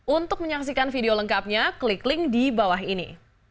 untuk menyaksikan video lengkapnya klik link di bawah ini